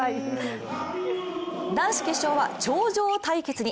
男子決勝は頂上対決に。